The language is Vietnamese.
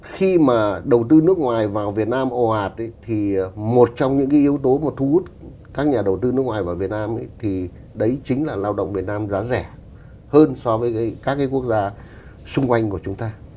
khi mà đầu tư nước ngoài vào việt nam ồ ạt thì một trong những cái yếu tố mà thu hút các nhà đầu tư nước ngoài vào việt nam thì đấy chính là lao động việt nam giá rẻ hơn so với các cái quốc gia xung quanh của chúng ta